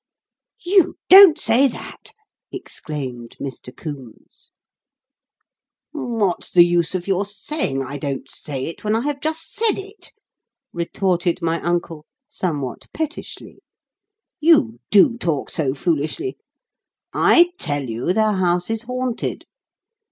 "You don't say that!" exclaimed Mr. Coombes. "What's the use of your saying I don't say it when I have just said it?" retorted my uncle somewhat pettishly. "You do talk so foolishly. I tell you the house is haunted.